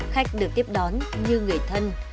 khách được tiếp đón như người thân